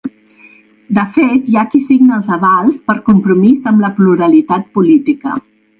De fet, hi ha qui signa els avals per compromís amb la pluralitat política.